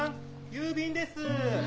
郵便です！